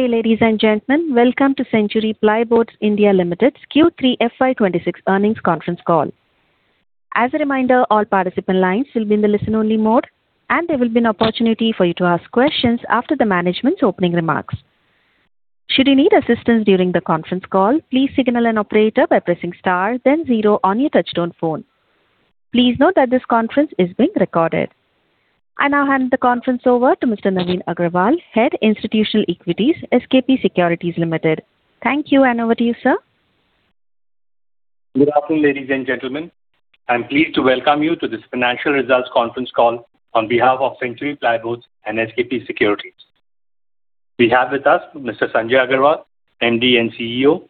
Good day, ladies and gentlemen. Welcome to Century Plyboards (India) Limited's Q3 FY26 Earnings Conference Call. As a reminder, all participant lines will be in the listen-only mode, and there will be an opportunity for you to ask questions after the management's opening remarks. Should you need assistance during the conference call, please signal an operator by pressing Star, then Zero on your touchtone phone. Please note th at this conference is being recorded. I now hand the conference over to Mr. Naveen Agarwal, Head Institutional Equities, SKP Securities Limited. Thank you, and over to you, sir. Good afternoon, ladies and gentlemen. I'm pleased to welcome you to this financial results conference call on behalf of Century Plyboards and SKP Securities. We have with us Mr. Sanjay Agarwal, MD and CEO,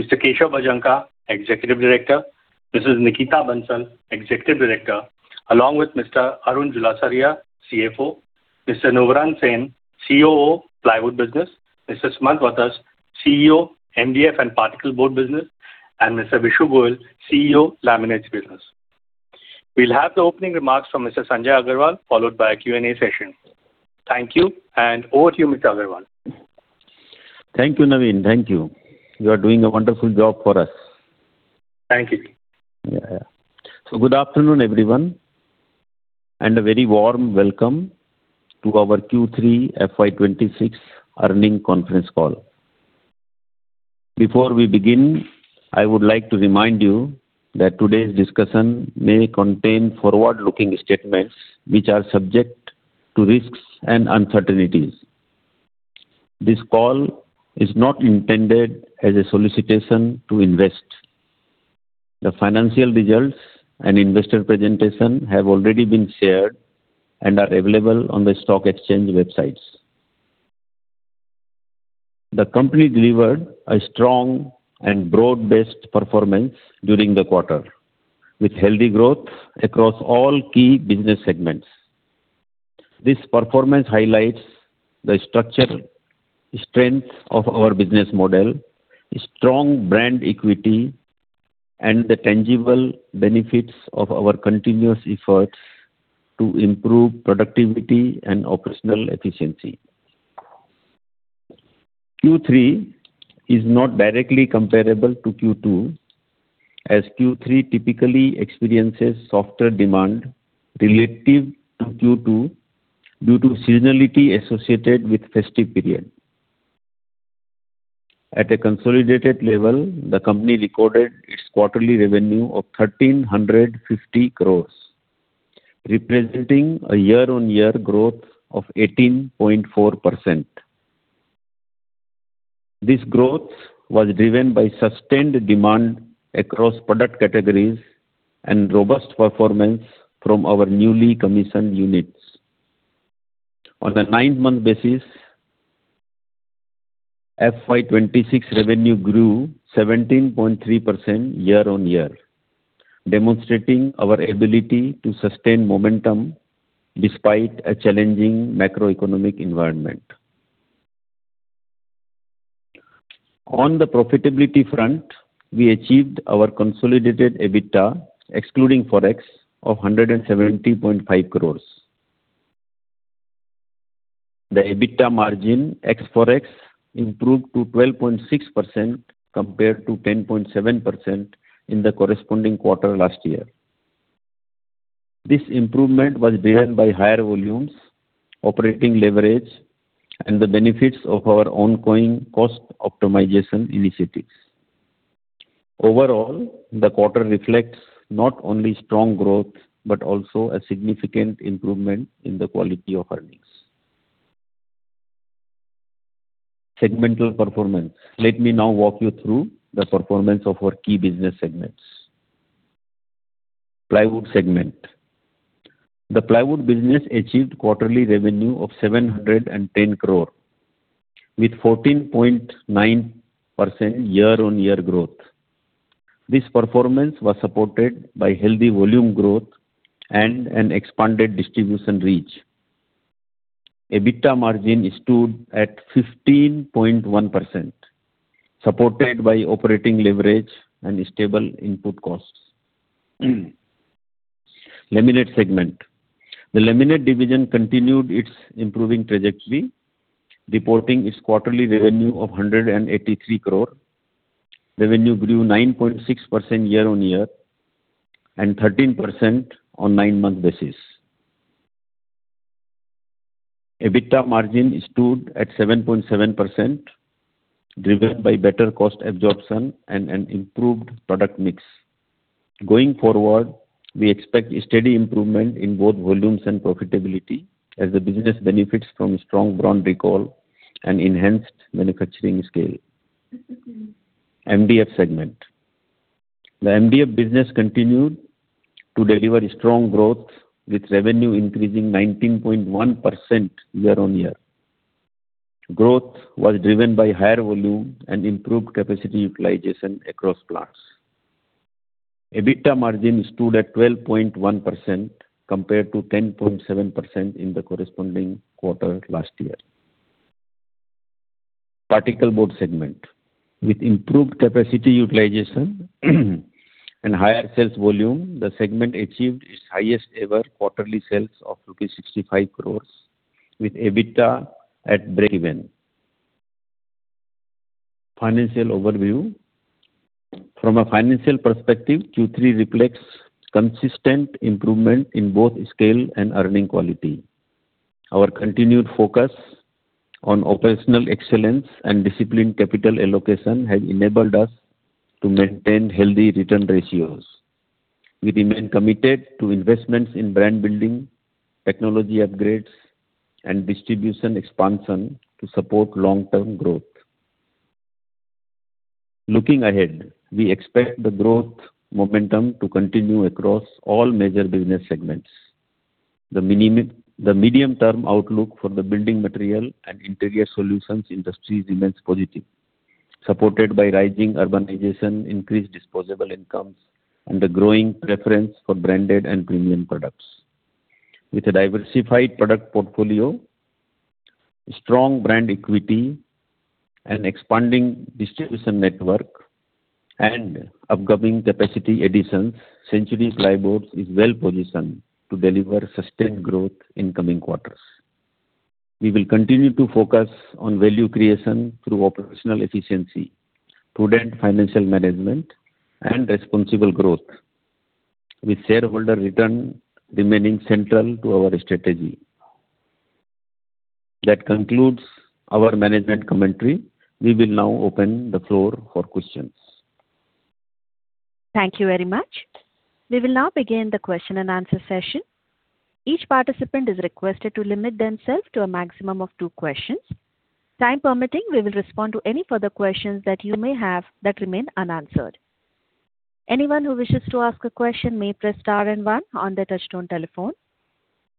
Mr. Keshav Bhajanka, Executive Director, Mrs. Nikita Bansal, Executive Director, along with Mr. Arun Julasaria, CFO, Mr. Navarun Sen, COO, Plywood Business, Mr. Sumant Wattas, CEO, MDF and Particle Board Business, and Mr. Vishu Goel, CEO, Laminates Business. We'll have the opening remarks from Mr. Sanjay Agarwal, followed by a Q&A session. Thank you, and over to you, Mr. Agarwal. Thank you, Naveen. Thank you. You are doing a wonderful job for us. Thank you. Yeah, yeah. So good afternoon, everyone, and a very warm welcome to our Q3 FY 2026 earnings conference call. Before we begin, I would like to remind you that today's discussion may contain forward-looking statements, which are subject to risks and uncertainties. This call is not intended as a solicitation to invest. The financial results and investor presentation have already been shared and are available on the stock exchange websites. The company delivered a strong and broad-based performance during the quarter, with healthy growth across all key business segments. This performance highlights the structural strength of our business model, strong brand equity, and the tangible benefits of our continuous efforts to improve productivity and operational efficiency. Q3 is not directly comparable to Q2, as Q3 typically experiences softer demand relative to Q2 due to seasonality associated with festive period. At a consolidated level, the company recorded its quarterly revenue of 1,350 crores, representing a year-on-year growth of 18.4%. This growth was driven by sustained demand across product categories and robust performance from our newly commissioned units. On a nine-month basis, FY 2026 revenue grew 17.3% year-on-year, demonstrating our ability to sustain momentum despite a challenging macroeconomic environment. On the profitability front, we achieved our consolidated EBITDA, excluding Forex, of INR 170.5 crores. The EBITDA margin, ex Forex, improved to 12.6% compared to 10.7% in the corresponding quarter last year. This improvement was driven by higher volumes, operating leverage, and the benefits of our ongoing cost optimization initiatives. Overall, the quarter reflects not only strong growth, but also a significant improvement in the quality of earnings. Segmental performance. Let me now walk you through the performance of our key business segments. Plywood segment. The plywood business achieved quarterly revenue of 710 crore, with 14.9% year-on-year growth. This performance was supported by healthy volume growth and an expanded distribution reach. EBITDA margin stood at 15.1%, supported by operating leverage and stable input costs. Laminate segment. The laminate division continued its improving trajectory, reporting its quarterly revenue of 183 crore. Revenue grew 9.6% year-on-year and 13% on nine-month basis. EBITDA margin stood at 7.7%, driven by better cost absorption and an improved product mix. Going forward, we expect a steady improvement in both volumes and profitability as the business benefits from strong brand recall and enhanced manufacturing scale. MDF segment. The MDF business continued to deliver strong growth, with revenue increasing 19.1% year-on-year. Growth was driven by higher volume and improved capacity utilization across plants. EBITDA margin stood at 12.1%, compared to 10.7% in the corresponding quarter last year. Particle board segment.... With improved capacity utilization and higher sales volume, the segment achieved its highest ever quarterly sales of rupees 65 crores, with EBITDA at breakeven. Financial overview. From a financial perspective, Q3 reflects consistent improvement in both scale and earning quality. Our continued focus on operational excellence and disciplined capital allocation has enabled us to maintain healthy return ratios. We remain committed to investments in brand building, technology upgrades, and distribution expansion to support long-term growth. Looking ahead, we expect the growth momentum to continue across all major business segments. The medium-term outlook for the building material and interior solutions industry remains positive, supported by rising urbanization, increased disposable incomes, and the growing preference for branded and premium products. With a diversified product portfolio, strong brand equity, and expanding distribution network, and upcoming capacity additions, Century Plyboards is well positioned to deliver sustained growth in coming quarters. We will continue to focus on value creation through operational efficiency, prudent financial management, and responsible growth, with shareholder return remaining central to our strategy. That concludes our management commentary. We will now open the floor for questions. Thank you very much. We will now begin the question and answer session. Each participant is requested to limit themselves to a maximum of two questions. Time permitting, we will respond to any further questions that you may have that remain unanswered. Anyone who wishes to ask a question may press star and one on their touchtone telephone.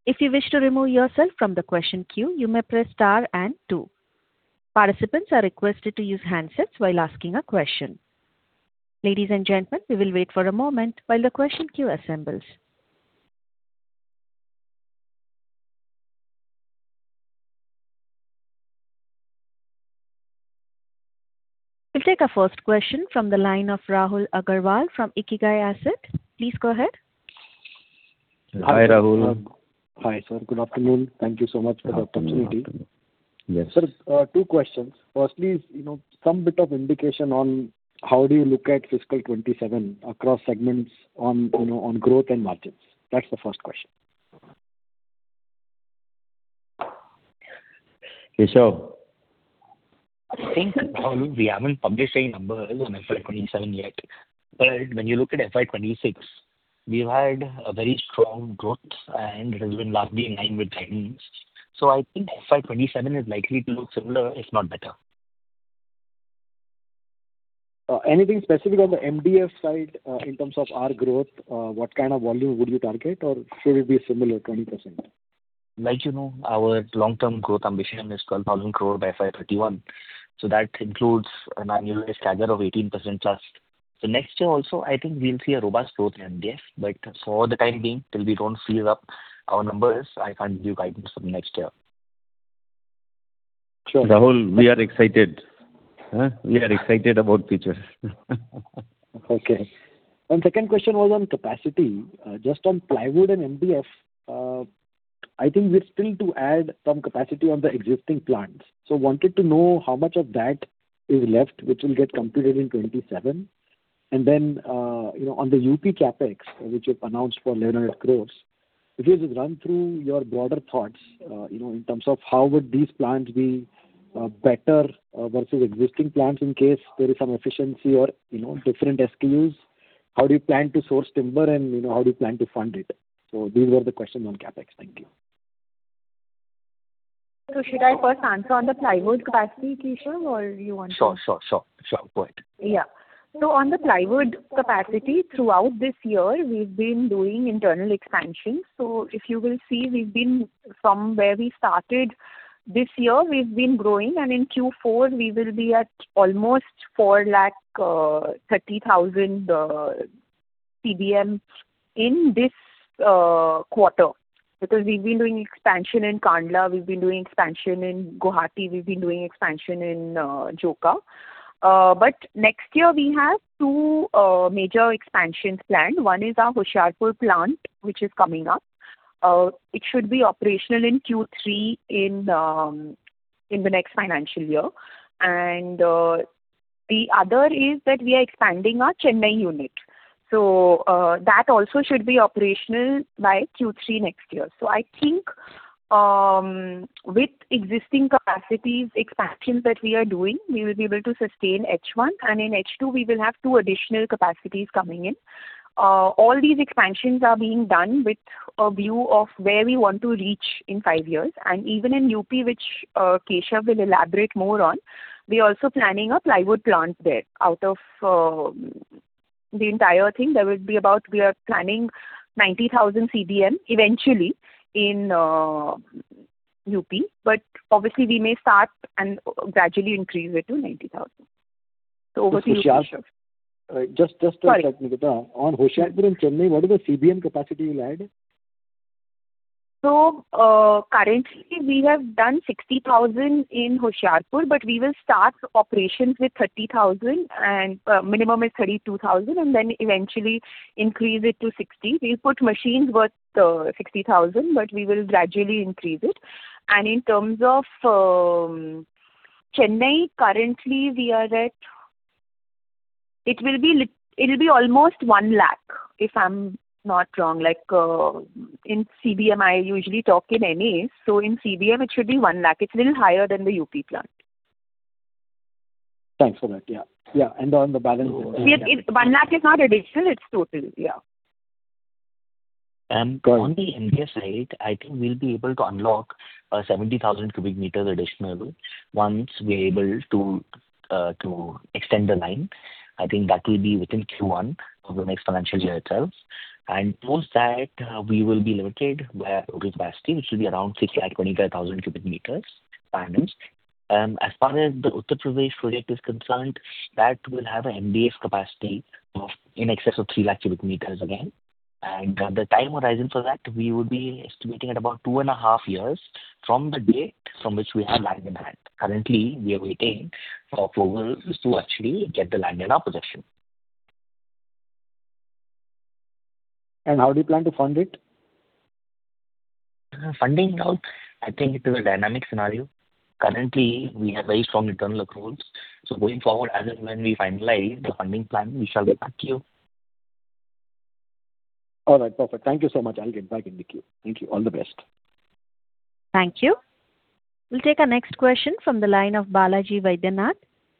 If you wish to remove yourself from the question queue, you may press star and two. Participants are requested to use handsets while asking a question. Ladies and gentlemen, we will wait for a moment while the question queue assembles. We'll take our first question from the line of Rahul Agarwal from Ikigai Asset. Please go ahead. Hi, Rahul. Hi, sir. Good afternoon. Thank you so much for the opportunity. Yes. Sir, two questions: firstly, you know, some bit of indication on how do you look at fiscal 2027 across segments on, you know, on growth and margins? That's the first question. Keshav? I think that, Rahul, we haven't published any numbers on FY 2027 yet, but when you look at FY 2026, we've had a very strong growth, and it has been largely in line with guidance. So I think FY 2027 is likely to look similar, if not better. Anything specific on the MDF side, in terms of our growth? What kind of volume would you target, or will it be a similar 20%? Like, you know, our long-term growth ambition is 12,000 crore by FY 2031, so that includes an annualized CAGR of 18%+. So next year also, I think we'll see a robust growth in MDF, but for the time being, till we don't close up our numbers, I can't give guidance for next year. Sure. Rahul, we are excited. We are excited about future. Okay. And second question was on capacity. Just on plywood and MDF, I think we're still to add some capacity on the existing plants. So wanted to know how much of that is left, which will get completed in 2027. And then, you know, on the UP CapEx, which you've announced for 900 crore, if you just run through your broader thoughts, you know, in terms of how would these plants be better versus existing plants in case there is some efficiency or, you know, different SKUs? How do you plan to source timber and, you know, how do you plan to fund it? So these were the questions on CapEx. Thank you. Should I first answer on the plywood capacity, Keshav, or you want to? Sure, sure, sure, sure, go ahead. Yeah. So on the plywood capacity, throughout this year, we've been doing internal expansion. So if you will see, we've been from where we started this year, we've been growing, and in Q4 we will be at almost 430,000 CBM in this quarter. Because we've been doing expansion in Kandla, we've been doing expansion in Guwahati, we've been doing expansion in Joka. But next year we have two major expansions planned. One is our Hoshiarpur plant, which is coming up. It should be operational in Q3 in, in the next financial year. And, the other is that we are expanding our Chennai unit. So, that also should be operational by Q3 next year. So I think, with existing capacities expansions that we are doing, we will be able to sustain H1, and in H2 we will have two additional capacities coming in. All these expansions are being done with a view of where we want to reach in five years. And even in UP, which, Keshav will elaborate more on, we're also planning a plywood plant there. Out of the entire thing, there will be about. We are planning 90,000 CBM eventually in UP, but obviously we may start and gradually increase it to 90,000 CBM. So over to you, Keshav. Just, just a second, Nikita. Sorry. On Hoshiarpur and Chennai, what is the CBM capacity you'll add? So, currently we have done 60,000 in Hoshiarpur, but we will start operations with 30,000 and minimum is 32,000, and then eventually increase it to 60,000. We put machines worth 60,000, but we will gradually increase it. And in terms of Chennai, currently we are at it will be almost one lakh, if I'm not wrong. Like, in CBM, I usually talk in MSM. So in CBM, it should be one lakh. It's a little higher than the UP plant. Thanks for that. Yeah. Yeah, and on the balance- 1 lakh is not additional, it's total. Yeah. On the MDF side, I think we'll be able to unlock 70,000 cubic meters additional once we're able to extend the line. I think that will be within Q1 of the next financial year itself. Post that, we will be limited by capacity, which will be around 652,500 cubic meters annual. As far as the Uttar Pradesh project is concerned, that will have an MDF capacity of in excess of 300,000 cubic meters again. The time horizon for that, we would be estimating at about two and a half years from the date from which we have land in hand. Currently, we are waiting for approvals to actually get the land in our possession. How do you plan to fund it? Funding now, I think it is a dynamic scenario. Currently, we have very strong internal controls. So going forward, as and when we finalize the funding plan, we shall get back to you. All right, perfect. Thank you so much. I'll get back in the queue. Thank you. All the best. Thank you. We'll take our next question from the line of Balaji Vaidyanath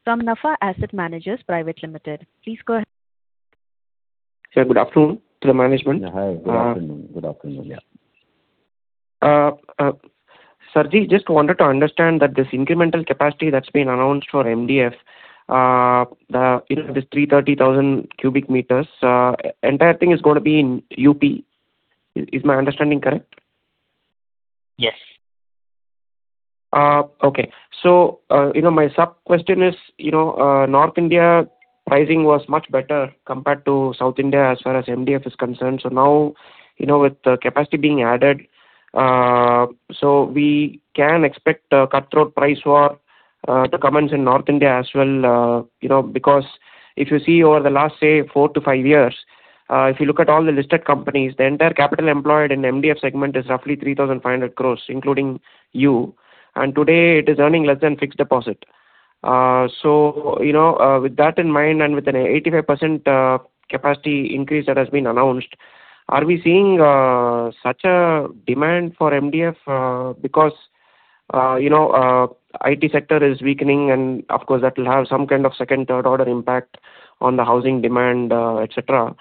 from NAFA Asset Managers Private Limited. Please go ahead. Sir, good afternoon to the management. Hi, good afternoon. Good afternoon, yeah. Sirji, just wanted to understand that this incremental capacity that's been announced for MDF, you know, this 330,000 cubic meters, entire thing is going to be in UP. Is my understanding correct? Yes. Okay. So, you know, my sub-question is, you know, North India pricing was much better compared to South India as far as MDF is concerned. So now, you know, with the capacity being added, so we can expect a cutthroat price war to commence in North India as well. You know, because if you see over the last, say, 4 years-5 years, if you look at all the listed companies, the entire capital employed in MDF segment is roughly 3,500 crore, including you, and today it is earning less than fixed deposit. You know, with that in mind, and with an 85% capacity increase that has been announced, are we seeing such a demand for MDF? Because, you know, IT sector is weakening, and of course, that will have some kind of second, third order impact on the housing demand, et cetera.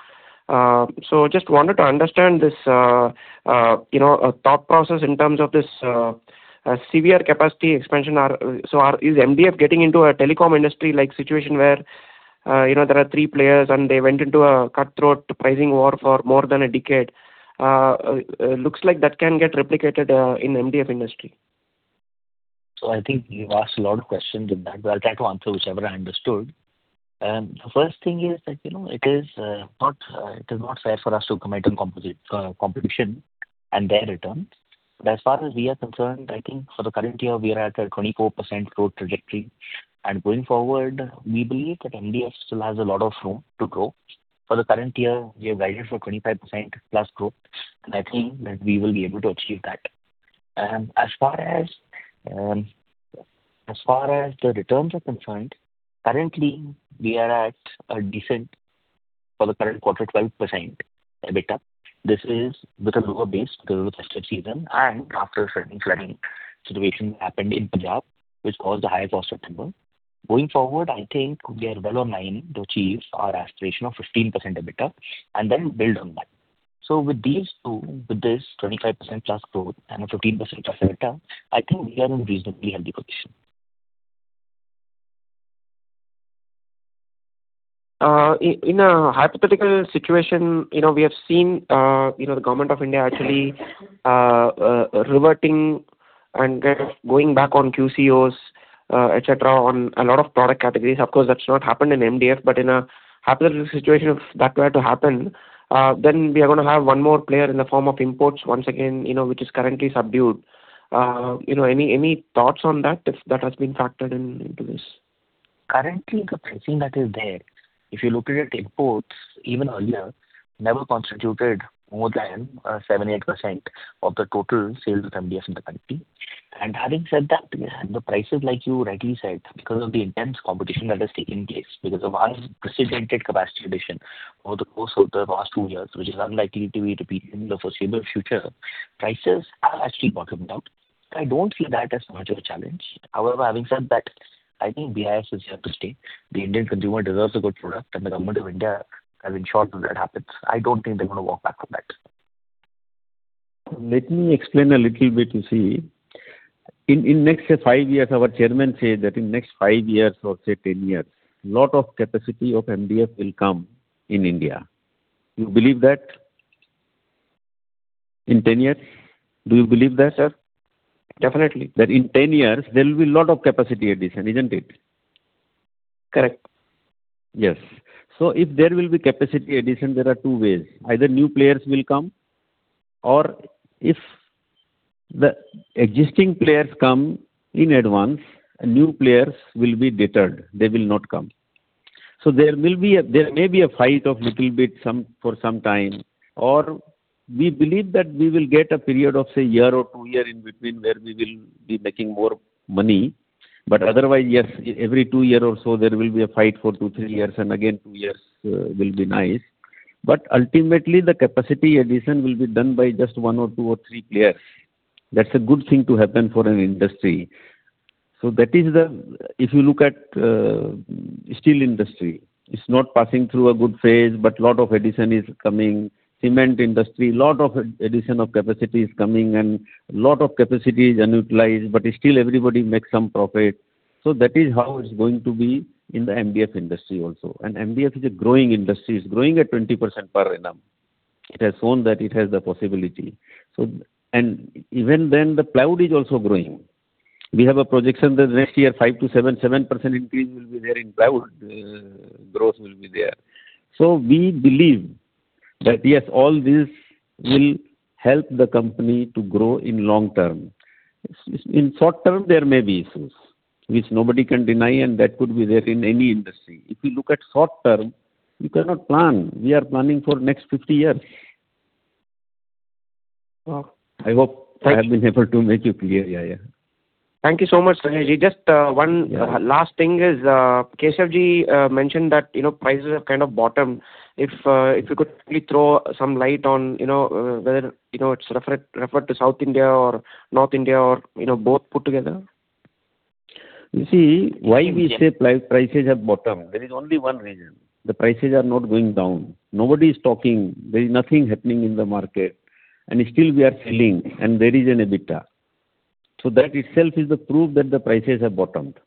So just wanted to understand this, you know, thought process in terms of this, severe capacity expansion. Or, so is MDF getting into a telecom industry-like situation where, you know, there are three players and they went into a cutthroat pricing war for more than a decade? Looks like that can get replicated, in MDF industry. So I think you've asked a lot of questions in that, but I'll try to answer whichever I understood. The first thing is that, you know, it is not fair for us to comment on competitors and their returns. But as far as we are concerned, I think for the current year, we are at a 24% growth trajectory. And going forward, we believe that MDF still has a lot of room to grow. For the current year, we have guided for 25%+ growth, and I think that we will be able to achieve that. As far as the returns are concerned, currently we are at a decent for the current quarter, 12% EBITDA. This is with a lower base due to festive season and after a flooding situation happened in Punjab, which caused the highest of September. Going forward, I think we are well on line to achieve our aspiration of 15% EBITDA and then build on that. So with these two, with this 25%+ growth and a 15% EBITDA, I think we are in reasonably healthy position. In a hypothetical situation, you know, we have seen, you know, the government of India actually, reverting and kind of going back on QCOs, et cetera, on a lot of product categories. Of course, that's not happened in MDF, but in a hypothetical situation, if that were to happen, then we are gonna have one more player in the form of imports once again, you know, which is currently subdued. You know, any thoughts on that, if that has been factored in, into this? Currently, the pricing that is there, if you look at it, imports, even earlier, never constituted more than 7-8% of the total sales of MDF in the country. And having said that, the prices, like you rightly said, because of the intense competition that has taken place, because of unprecedented capacity addition over the course of the last two years, which is unlikely to be repeated in the foreseeable future, prices have actually bottomed out. I don't see that as much of a challenge. However, having said that, I think BIS is here to stay. The Indian consumer deserves a good product, and the government of India has ensured that that happens. I don't think they're gonna walk back from that. Let me explain a little bit. You see, in, in next, say, 5 years, our chairman said that in next 5 years or, say, 10 years, a lot of capacity of MDF will come in India. You believe that? In 10 years, do you believe that, sir? Definitely, that in 10 years there will be a lot of capacity addition, isn't it? Correct. Yes. So if there will be capacity addition, there are two ways: either new players will come, or if the existing players come in advance, new players will be deterred, they will not come. So there may be a fight of little bit some, for some time, or we believe that we will get a period of, say, a year or two year in between, where we will be making more money. But otherwise, yes, every 2 years or so, there will be a fight for 2 years-3 years, and again, 2 years will be nice. But ultimately, the capacity addition will be done by just one or 2 years or 3 players. That's a good thing to happen for an industry. So that is the. If you look at the steel industry, it's not passing through a good phase, but a lot of addition is coming. Cement industry, a lot of addition of capacity is coming and a lot of capacity is unutilized, but still everybody makes some profit. So that is how it's going to be in the MDF industry also. And MDF is a growing industry. It's growing at 20% per annum. It has shown that it has the possibility. So. And even then, the plywood is also growing. We have a projection that next year, 5% to 7, 7% increase will be there in plywood, growth will be there. So we believe that, yes, all this will help the company to grow in long term. In short term, there may be issues, which nobody can deny, and that could be there in any industry. If you look at short term, you cannot plan. We are planning for next 50 years. Wow! I hope- Thank- I have been able to make it clear. Yeah, yeah. Thank you so much, Sanjayji. Just, one- Yeah. Last thing is, Keshavji mentioned that, you know, prices have kind of bottomed. If you could maybe throw some light on, you know, whether it's referred to South India or North India or, you know, both put together. You see, why we say prices have bottomed, there is only one reason: the prices are not going down. Nobody is talking, there is nothing happening in the market, and still we are selling, and there is an EBITDA. So that itself is the proof that the prices have bottomed.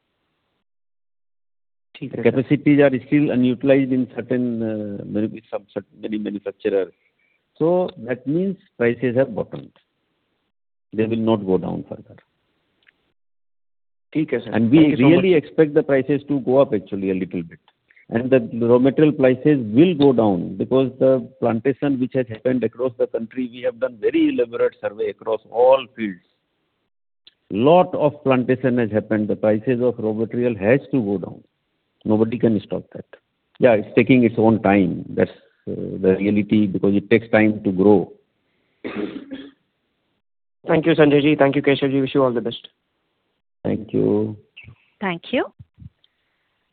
The- Capacities are still unutilized in certain, maybe some certain, many manufacturer. So that means prices have bottomed. They will not go down further. Okay, sir. And we really expect the prices to go up actually a little bit, and the raw material prices will go down because the plantation which has happened across the country, we have done very elaborate survey across all fields. A lot of plantation has happened. The prices of raw material has to go down. Nobody can stop that. Yeah, it's taking its own time. That's, the reality, because it takes time to grow. Thank you, Sanjayji. Thank you, Keshavji. Wish you all the best. Thank you. Thank you.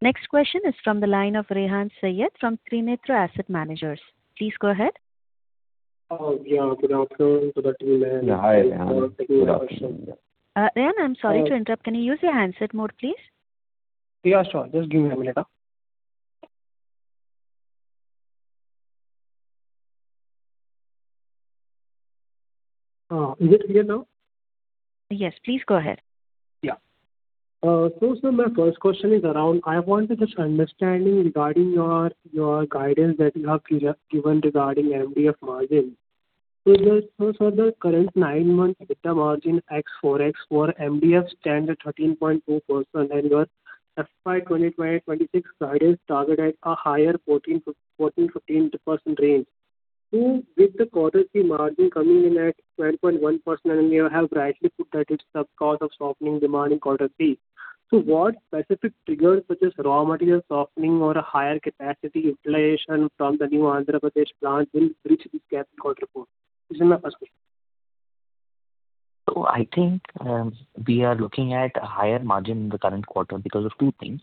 Next question is from the line of Rehan Syed from Trinetra Asset Management. Please go ahead. Yeah, good afternoon to the team there. Hi, Rehan. Good afternoon. Rehan, I'm sorry to interrupt. Can you use your handset mode, please? Yeah, sure. Just give me a minute. Is it clear now? Yes, please go ahead. Yeah. So sir, my first question is around... I want to just understanding regarding your guidance that you have given regarding MDF margin. So for the current nine months, EBITDA margin ex Forex for MDF stands at 13.2%, and your FY 2025-2026 guidance target at a higher 14%-15% range. So with the quarter three margin coming in at 10.1%, and you have rightly put that it's because of softening demand in quarter three. So what specific triggers, such as raw material softening or a higher capacity utilization from the new Andhra Pradesh plant, will bridge this gap going forward? This is my first question. So I think, we are looking at a higher margin in the current quarter because of two things: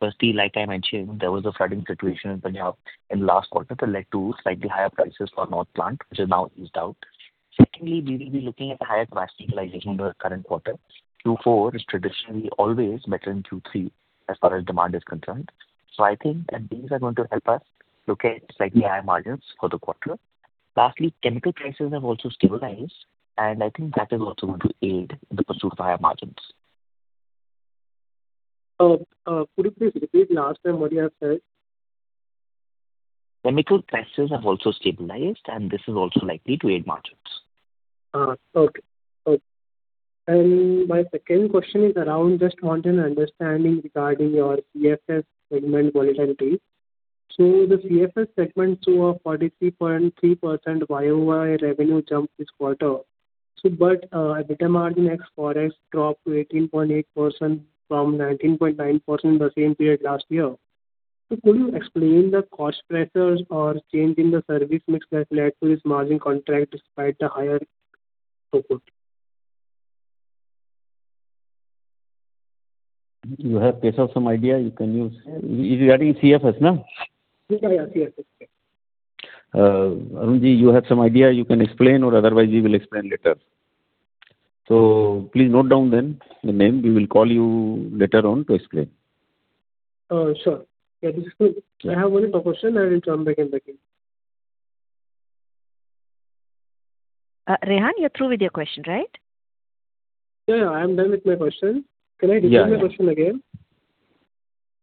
firstly, like I mentioned, there was a flooding situation in Punjab in the last quarter that led to slightly higher prices for North plant, which has now eased out. Secondly, we will be looking at higher capacity utilization in the current quarter. Q4 is traditionally always better than Q3, as far as demand is concerned. So I think that these are going to help us look at slightly higher margins for the quarter. Lastly, chemical prices have also stabilized, and I think that is also going to aid in the pursuit of higher margins. Could you please repeat the last time what you have said? Chemical prices have also stabilized, and this is also likely to aid margins. Okay. Okay. And my second question is around just want an understanding regarding your CFS segment volatility. So the CFS segment saw a 43.3% year-over-year revenue jump this quarter. So but, EBITDA margin ex Forex dropped to 18.8% from 19.9% in the same period last year. So could you explain the cost pressures or change in the service mix that led to this margin contract despite the higher output? You have, Keshav, some idea you can use. It's regarding CFS, no? Yeah, yeah, CFS. Arunji, you have some idea, you can explain, or otherwise, we will explain later. So please note down then the name. We will call you later on to explain. Sure. Yeah, this is good. I have only one question, I will join back in again. Rehan, you're through with your question, right? Yeah, yeah, I am done with my question. Yeah. Can I repeat my question again?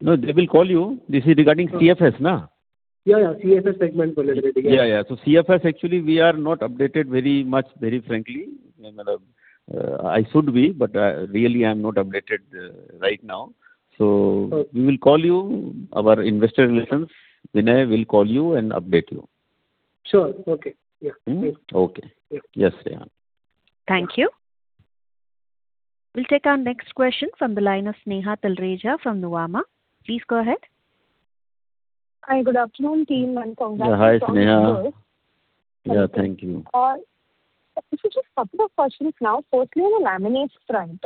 No, they will call you. This is regarding CFS, no? Yeah, yeah, CFS segment Yeah, yeah. So CFS, actually, we are not updated very much, very frankly, I should be, but, really I'm not updated, right now. So we will call you, our investor relations. Vinay will call you and update you. Sure. Okay. Yeah. Mm-hmm. Okay. Yeah. Yes, yeah. Thank you. We'll take our next question from the line of Sneha Talreja from Nuvama. Please go ahead. Hi, good afternoon, team, and congrats on- Hi, Sneha. Yeah, thank you. This is just a couple of questions now. Firstly, on the laminates front,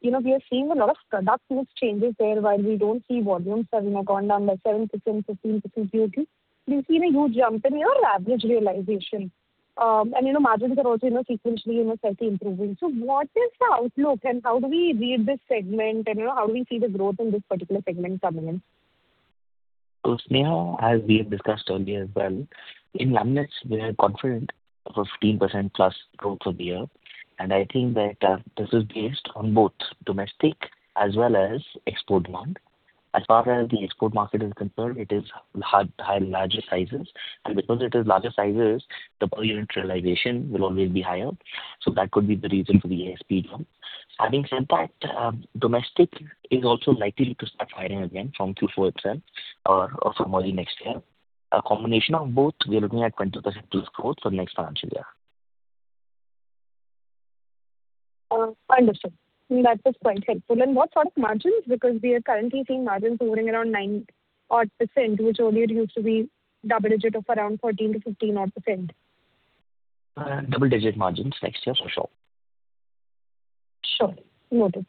you know, we are seeing a lot of product mix changes there while we don't see volumes having gone down by 7%, 15% Q2. We've seen a huge jump in your average realization, and, you know, margins are also, you know, sequentially, you know, slightly improving. So what is the outlook and how do we read this segment, and, you know, how do we see the growth in this particular segment coming in? So Sneha, as we have discussed earlier as well, in laminates we are confident of a 15%+ growth for the year, and I think that, this is based on both domestic as well as export demand. As far as the export market is concerned, it is hard, higher, larger sizes, and because it is larger sizes, the per unit realization will always be higher. So that could be the reason for the ASP jump. Having said that, domestic is also likely to start rising again from Q4 itself or, or from early next year. A combination of both, we are looking at 20%+ growth for the next financial year. Understood. That was quite helpful. And what sort of margins? Because we are currently seeing margins hovering around 9 odd percent, which earlier used to be double-digit of around 14%-15% odd. Double-digit margins next year for sure. Sure. Noted.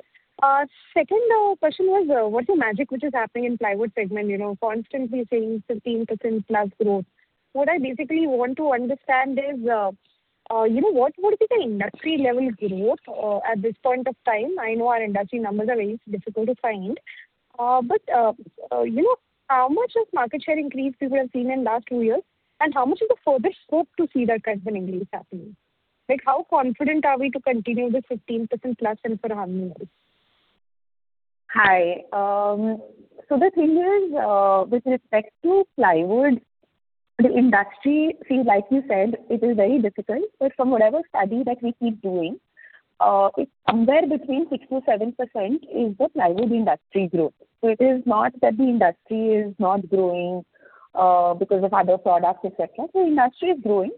Second question was, what's the magic which is happening in plywood segment? You know, constantly seeing 15%+ growth. What I basically want to understand is, you know, what would be the industry level growth at this point of time? I know our industry numbers are very difficult to find, but you know, how much is market share increase we have seen in last two years, and how much is the further scope to see that kind of an increase happening? Like, how confident are we to continue this 15%+ improvement growth? Hi. So the thing is, with respect to plywood, the industry, see, like you said, it is very difficult, but from whatever study that we keep doing, it's somewhere between 6%-7% is the plywood industry growth. So it is not that the industry is not growing, because of other products, et cetera. So industry is growing.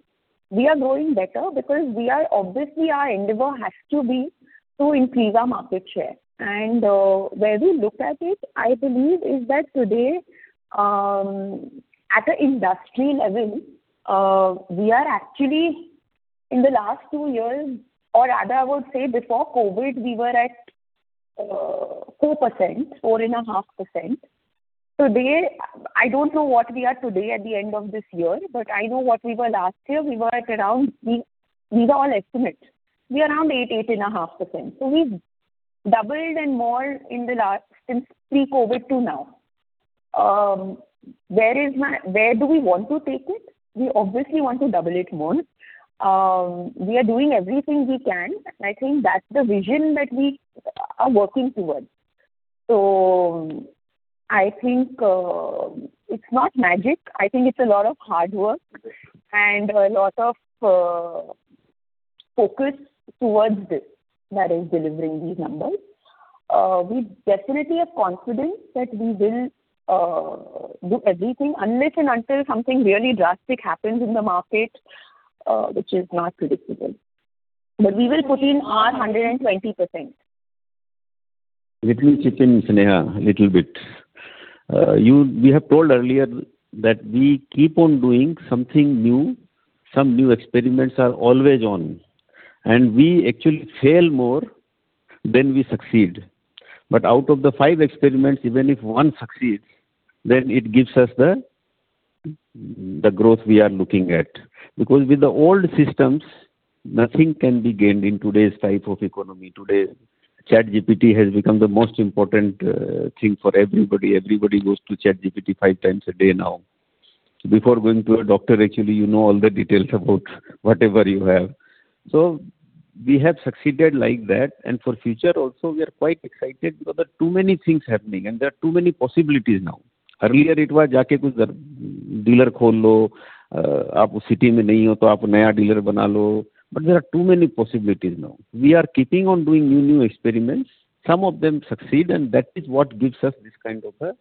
We are growing better because we are obviously, our endeavor has to be to increase our market share. And where we look at it, I believe, is that today, at a industry level, we are actually in the last two years, or rather I would say before COVID, we were at 4%, 4.5%. Today, I don't know what we are today at the end of this year, but I know what we were last year. We were at around. These are all estimates. We're around 8%-8.5%. So we've doubled and more in the last, since pre-COVID to now. Where do we want to take it? We obviously want to double it more. We are doing everything we can, and I think that's the vision that we are working towards. So I think it's not magic. I think it's a lot of hard work and a lot of focus towards this that is delivering these numbers. We definitely are confident that we will do everything unless and until something really drastic happens in the market, which is not predictable. But we will put in our 120%. me chip in, Sneha, a little bit. You, we have told earlier that we keep on doing something new. Some new experiments are always on, and we actually fail more than we succeed. But out of the five experiments, even if one succeeds, then it gives us the growth we are looking at. Because with the old systems, nothing can be gained in today's type of economy. Today, ChatGPT has become the most important thing for everybody. Everybody goes to ChatGPT five times a day now. Before going to a doctor, actually, you know all the details about whatever you have. So we have succeeded like that, and for future also, we are quite excited because there are too many things happening and there are too many possibilities now. Earlier it was jaake kuch dealer khol lo, aap us city main nahi ho toh aap naya dealer bana lo. But there are too many possibilities now. We are keeping on doing new, new experiments. Some of them succeed, and that is what gives us this kind of a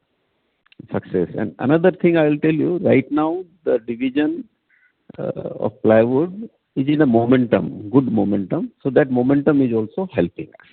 success. And another thing I will tell you, right now, the division of plywood is in a momentum, good momentum, so that momentum is also helping us.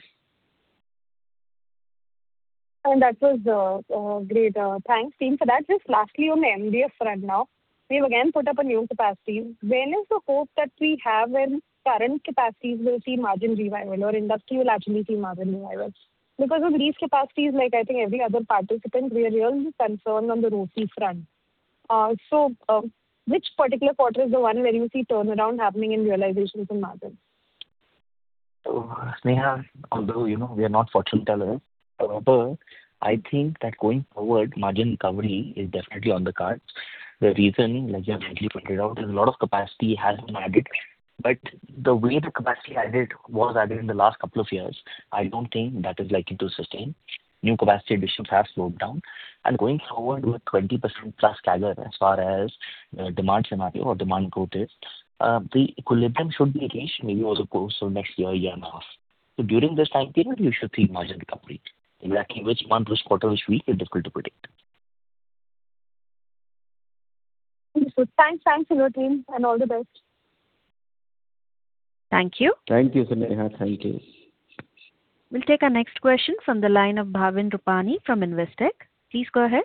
That was great. Thanks, team, for that. Just lastly, on the MDF front now. We've again put up a new capacity. When is the hope that we have when current capacities will see margin revival or industry will actually see margin revival? Because with these capacities, like I think every other participant, we are really concerned on the raw material front. So, which particular quarter is the one where you see turnaround happening in realizations and margins? So, Sneha, although, you know, we are not fortune teller, but I think that going forward, margin recovery is definitely on the cards. The reason, like you rightly pointed out, is a lot of capacity has been added.... But the way the capacity added was added in the last couple of years, I don't think that is likely to sustain. New capacity additions have slowed down, and going forward with 20%+ CAGR as far as, demand scenario or demand growth is, the equilibrium should be reached maybe over the course of next year, year and a half. So during this time period, you should see margin recovery. Exactly which month, which quarter, which week is difficult to predict. Thanks. Thanks for your time, and all the best. Thank you. Thank you, Sneha. Thank you. We'll take our next question from the line of Bhavin Rupani from Investec. Please go ahead.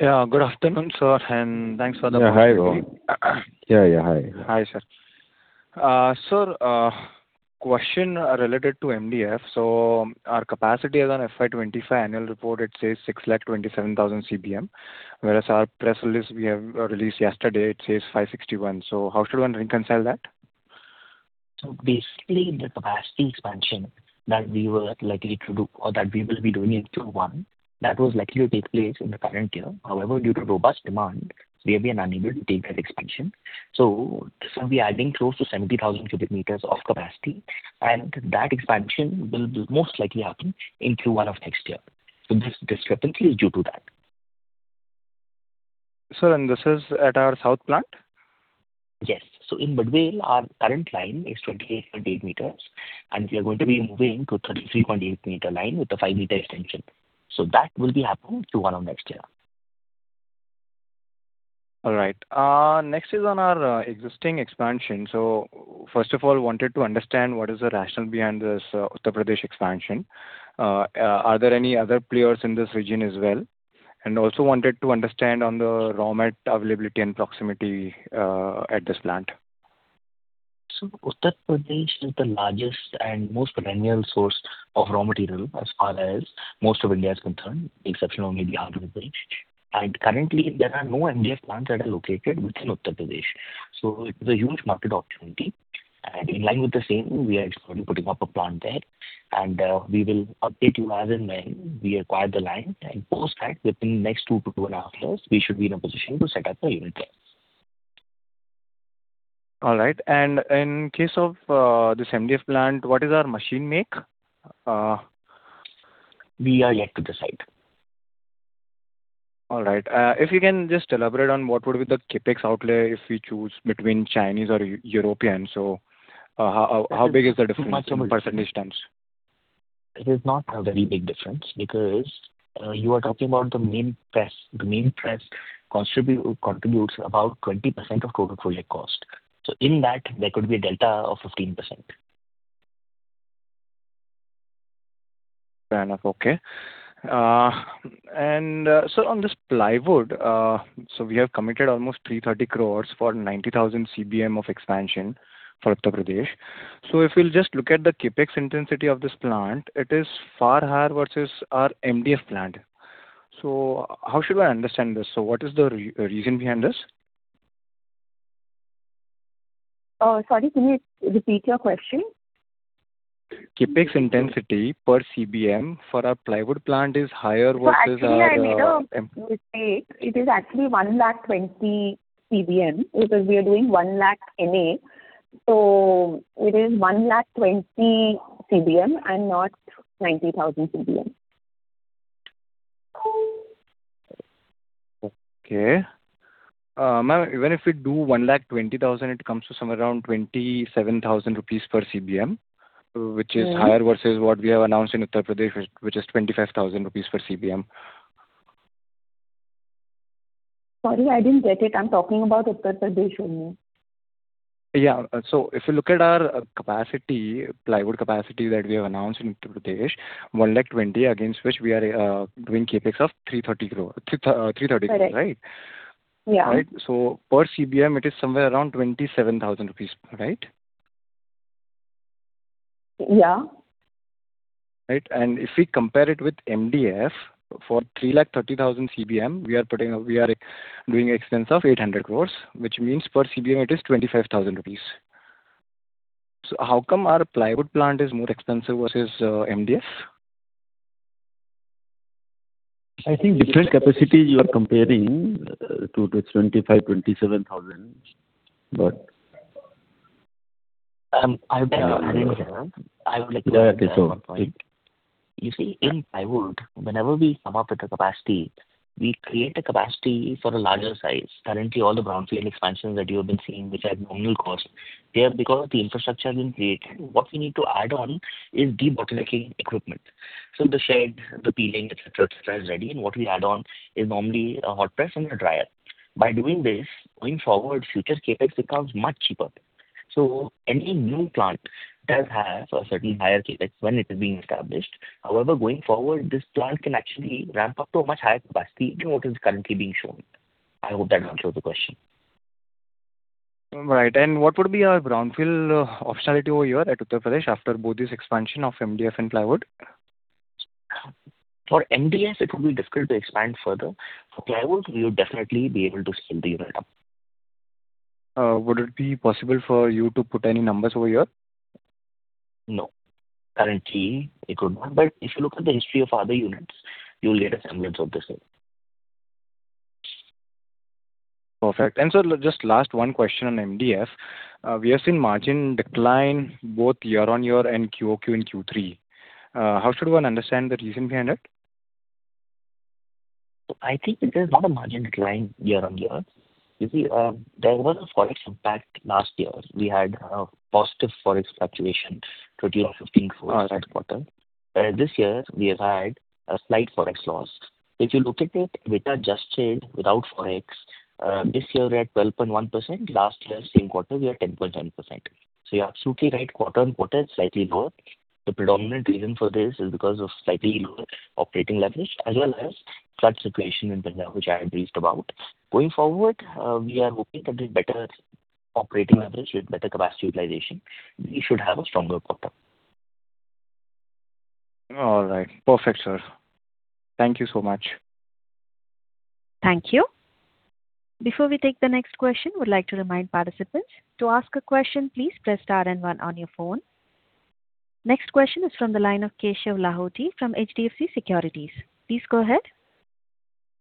Yeah. Good afternoon, sir, and thanks for the- Yeah. Hi, Bhavin. Yeah, yeah. Hi. Hi, sir. So, question related to MDF. So our capacity as on FY 2025 annual report, it says 627,000 CBM, whereas our press release we released yesterday, it says 561,000. So how should one reconcile that? Basically, the capacity expansion that we were likely to do or that we will be doing in Q1, that was likely to take place in the current year. However, due to robust demand, we have been unable to take that expansion. This will be adding close to 70,000 cubic meters of capacity, and that expansion will most likely happen in Q1 of next year. This discrepancy is due to that. Sir, and this is at our south plant? Yes. So in Badvel, our current line is 28.8 meters, and we are going to be moving to 33.8 meter line with a 5-meter extension. So that will be happening Q1 of next year. All right. Next is on our existing expansion. So first of all, wanted to understand what is the rationale behind this Uttar Pradesh expansion. Are there any other players in this region as well? And also wanted to understand on the raw mat availability and proximity at this plant. Uttar Pradesh is the largest and most perennial source of raw material as far as most of India is concerned, with the exception of maybe Andhra Pradesh. Currently, there are no MDF plants that are located within Uttar Pradesh. It is a huge market opportunity, and in line with the same, we are actually putting up a plant there, and we will update you as and when we acquire the land. Post that, within the next 2 years-2.5 years, we should be in a position to set up a unit there. All right. And in case of this MDF plant, what is our machine make? We are yet to decide. All right. If you can just elaborate on what would be the CapEx outlay if we choose between Chinese or European. So, how big is the difference in percentage terms? It is not a very big difference because you are talking about the main press. The main press contributes about 20% of total fixed cost. So in that, there could be a delta of 15%. Fair enough. Okay. And so on this plywood, so we have committed almost 330 crore for 90,000 CBM of expansion for Uttar Pradesh. So if we'll just look at the CapEx intensity of this plant, it is far higher versus our MDF plant. So how should I understand this? So what is the reason behind this? Sorry, can you repeat your question? CapEx intensity per CBM for our plywood plant is higher versus our- Actually, I made a mistake. It is actually 120,000 CBM, because we are doing 100,000 MA, so it is 120,000 CBM and not 90,000 CBM. Okay. Ma'am, even if we do 120,000, it comes to somewhere around 27,000 rupees per CBM, which is higher versus what we have announced in Uttar Pradesh, which is 25,000 rupees per CBM. Sorry, I didn't get it. I'm talking about Uttar Pradesh only. Yeah. So if you look at our capacity, plywood capacity that we have announced in Uttar Pradesh, 120,000, against which we are doing CapEx of 330 crore, right? Correct. Yeah. Right? So per CBM, it is somewhere around 27,000 rupees, right? Yeah. Right. And if we compare it with MDF, for 330,000 CBM, we are putting. We are doing expense of 800 crore, which means per CBM it is 25,000 rupees. So how come our plywood plant is more expensive versus MDF? I think different capacity you are comparing to 25,000-27,000, but- I would like to add in here. Yeah, okay, so- You see, in plywood, whenever we come up with a capacity, we create a capacity for a larger size. Currently, all the brownfield expansions that you have been seeing, which are at nominal cost, they are because the infrastructure has been created. What we need to add on is the bottlenecking equipment. So the shed, the peeling, et cetera, et cetera, is ready, and what we add on is normally a hot press and a dryer. By doing this, going forward, future CapEx becomes much cheaper. So any new plant does have a certain higher CapEx when it is being established. However, going forward, this plant can actually ramp up to a much higher capacity than what is currently being shown. I hope that answers your question. Right. And what would be our brownfield optionality over here at Uttar Pradesh after both this expansion of MDF and plywood? For MDF, it will be difficult to expand further. For plywood, we would definitely be able to scale the unit up. Would it be possible for you to put any numbers over here? No, currently it would not. But if you look at the history of other units, you will get a semblance of the same. Perfect. And so just last one question on MDF. We have seen margin decline both year-on-year and QOQ in Q3. How should one understand the reason behind it? I think it is not a margin decline year-on-year. You see, there was a Forex impact last year. We had a positive Forex fluctuation, 20 or 15 fourth quarter. This year we have had a slight Forex loss. If you look at it, EBITDA adjusted without Forex, this year we are at 12.1%, last year same quarter we were 10.9%. So you are absolutely right, quarter-on-quarter, it's slightly lower. The predominant reason for this is because of slightly lower operating leverage as well as such situation in India, which I had briefed about. Going forward, we are hoping that with better operating leverage, with better capacity utilization, we should have a stronger quarter. All right. Perfect, sir. Thank you so much. Thank you. Before we take the next question, would like to remind participants, to ask a question, please press star and one on your phone. Next question is from the line of Keshav Lahoti from HDFC Securities. Please go ahead.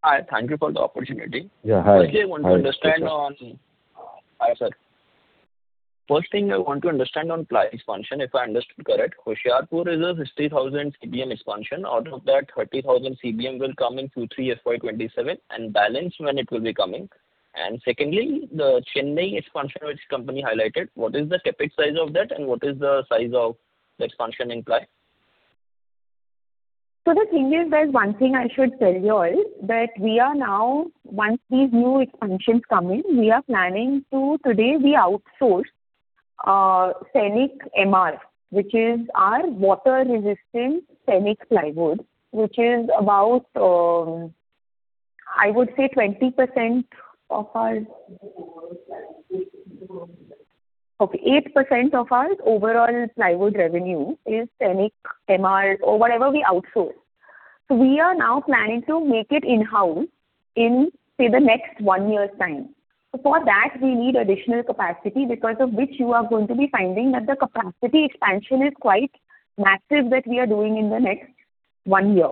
Hi, thank you for the opportunity. Yeah, hi. Firstly, I want to understand on... Hi, sir. First thing I want to understand on ply expansion, if I understood correct, Hoshiarpur is a 60,000 CBM expansion. Out of that, 30,000 CBM will come in Q3 FY 2027, and balance when it will be coming? And secondly, the Chennai expansion, which company highlighted, what is the CapEx size of that, and what is the size of the expansion in ply? So the thing is, there's one thing I should tell you all, that we are now once these new expansions come in, we are planning to today we outsource Phenolic MR, which is our water-resistant phenolic plywood, which is about, I would say 20% of our. Okay, 8% of our overall plywood revenue is Phenolic MR or whatever we outsource. So we are now planning to make it in-house in, say, the next one year's time. So for that, we need additional capacity, because of which you are going to be finding that the capacity expansion is quite massive, that we are doing in the next one year,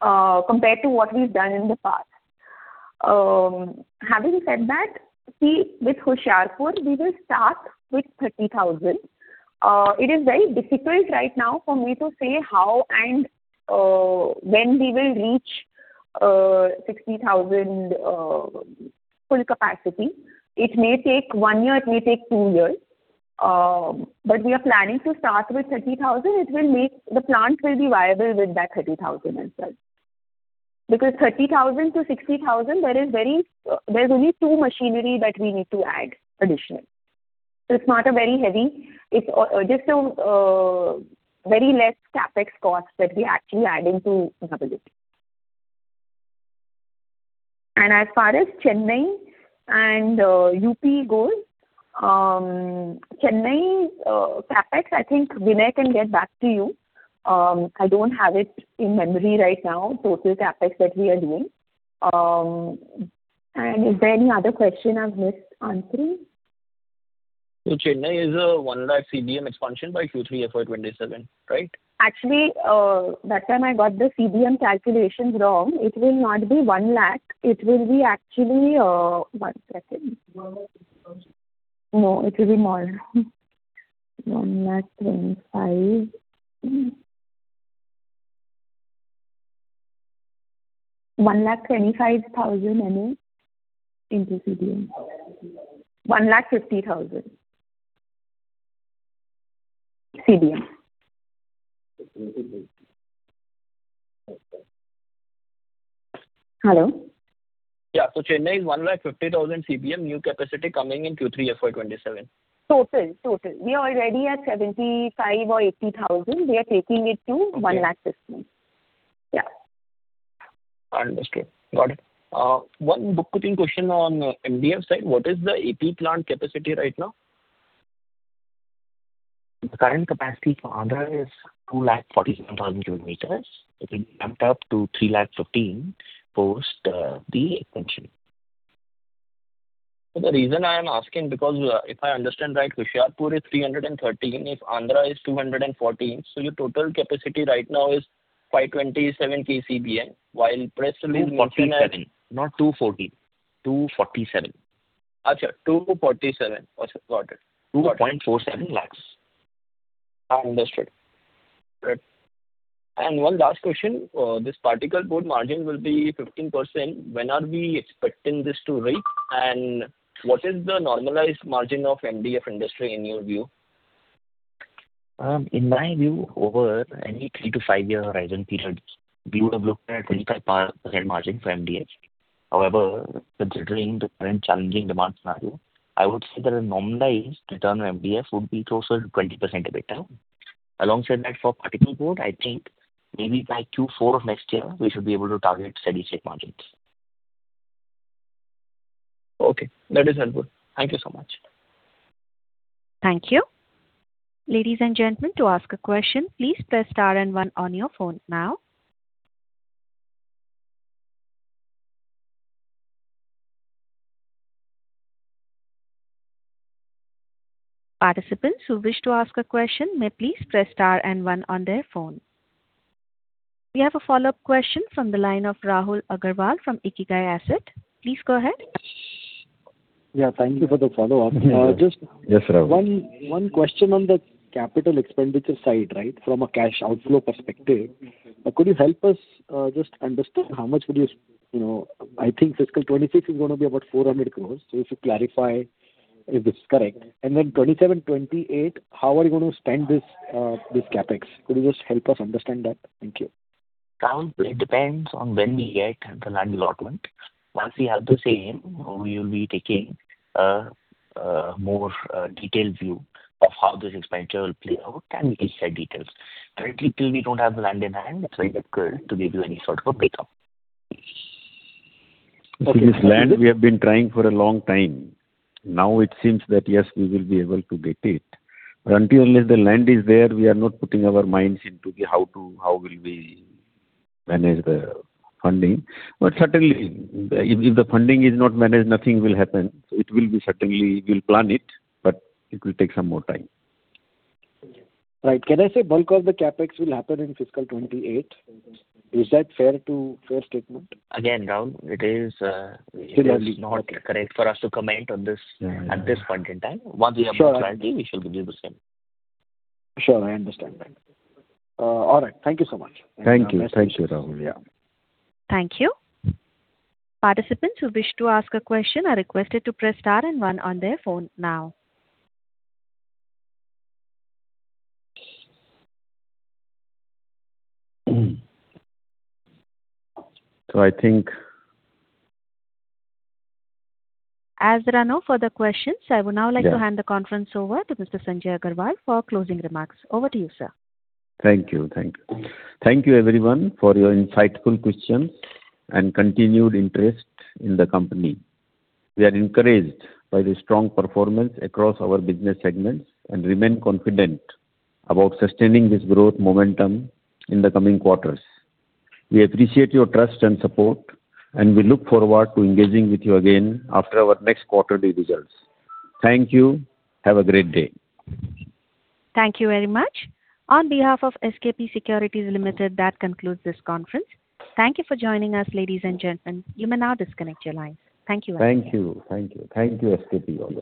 compared to what we've done in the past. Having said that, see, with Hoshiarpur, we will start with 30,000. It is very difficult right now for me to say how and when we will reach 60,000 full capacity. It may take one year, it may take two years, but we are planning to start with 30,000. It will make the plant viable with that 30,000 itself. Because 30,000 to 60,000, there is very, there's only two machinery that we need to add additional. So it's not a very heavy, it's just a very less CapEx cost that we are actually adding to the capacity. And as far as Chennai and UP goes, Chennai's CapEx, I think Vinay can get back to you. I don't have it in memory right now, total CapEx that we are doing. And is there any other question I've missed answering? Chennai is a 100,000 CBM expansion by Q3 FY 2027, right? Actually, that time I got the CBM calculations wrong. It will not be 100,000, it will be actually, one second. No, it will be more. 125,000. 125,000 MSM into CBM. 150,000 CBM. Hello? Yeah. So Chennai is 150,000 CBM, new capacity coming in Q3 FY 2027. Total, total. We are already at 75,000 or 80,000. We are taking it to 150,000. Okay. Yeah. Understood. Got it. One book cooking question on MDF side: What is the AP plant capacity right now? The current capacity for Andhra is 247,000 cubic meters. It will be ramped up to 315,000 post the expansion. So the reason I am asking, because if I understand right, Hoshiarpur is 313, if Andhra is 214, so your total capacity right now is 527 KCBM, while presently- 247, not 214. 247. Achha, 247. Okay, got it. INR 2.47 lakh. Understood. Great. One last question. This particle board margin will be 15%. When are we expecting this to reach, and what is the normalized margin of MDF industry in your view? In my view, over any 3-5-year horizon period, we would have looked at a 25% margin for MDF. However, considering the current challenging demand scenario, I would say that a normalized return on MDF would be closer to 20% or better. Alongside that, for particleboard, I think maybe by Q4 of next year, we should be able to target steady-state margins. Okay, that is helpful. Thank you so much. Thank you. Ladies and gentlemen, to ask a question, please press star and one on your phone now... Participants who wish to ask a question may please press star and one on their phone. We have a follow-up question from the line of Rahul Agarwal from Ikigai Asset. Please go ahead. Yeah, thank you for the follow-up. Yes, Rahul. One question on the capital expenditure side, right? From a cash outflow perspective, could you help us just understand how much would you, you know, I think fiscal 2026 is going to be about 400 crore. So if you clarify if this is correct, and then 2027, 2028, how are you going to spend this CapEx? Could you just help us understand that? Thank you. Rahul, it depends on when we get the land allotment. Once we have the same, we will be taking a more detailed view of how this expenditure will play out, and we'll share details. Currently, till we don't have the land in hand, it's very difficult to give you any sort of a breakup. This land, we have been trying for a long time. Now it seems that, yes, we will be able to get it. But until unless the land is there, we are not putting our minds into the how to, how will we manage the funding. But certainly, if, if the funding is not managed, nothing will happen. So it will be certainly, we'll plan it, but it will take some more time. Right. Can I say bulk of the CapEx will happen in fiscal 2028? Is that fair to... fair statement? Again, Rahul, it is not correct for us to comment on this at this point in time. Once we have clarity, we shall give you the same. Sure, I understand that. All right. Thank you so much. Thank you. Thank you, Rahul. Yeah. Thank you. Participants who wish to ask a question are requested to press star and one on their phone now. I think- As there are no further questions, I would now like to hand the conference over to Mr. Sanjay Agarwal for closing remarks. Over to you, sir. Thank you. Thank you. Thank you everyone for your insightful questions and continued interest in the company. We are encouraged by the strong performance across our business segments and remain confident about sustaining this growth momentum in the coming quarters. We appreciate your trust and support, and we look forward to engaging with you again after our next quarterly results. Thank you. Have a great day. Thank you very much. On behalf of SKP Securities Limited, that concludes this conference. Thank you for joining us, ladies and gentlemen. You may now disconnect your line. Thank you. Thank you. Thank you. Thank you, SKP, also.